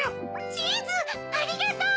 チーズありがとう！